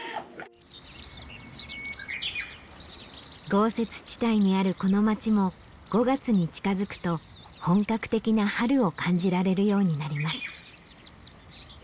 豪雪地帯にあるこの町も５月に近づくと本格的な春を感じられるようになります。